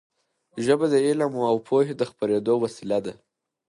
ژبه د علم او پوهې د خپرېدو وسیله ده.